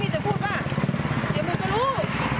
เดี๋ยวมึงก็รู้ว่านัดลูกมีจริง